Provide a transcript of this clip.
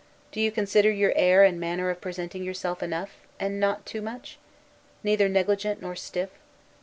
Do you consider your air and manner of presenting yourself enough, and not too much? Neither negligent nor stiff?